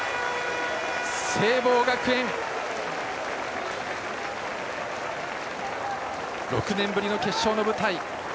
聖望学園、６年ぶりの決勝の舞台。